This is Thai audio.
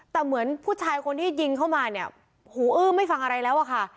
แต่เหมือนผู้ชายคนที่ยิงเข้ามาเนี่ยหูอื้อไม่ฟังอะไรแล้วอะค่ะ